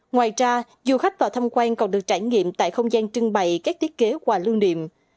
ngoài ra du khách vào tham quan còn được trải nghiệm tại không gian trưng bày các thiết kế quà lưu niệm